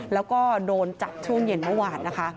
แล้วก็โดนจัดช่วงเย็นเมื่อหวาน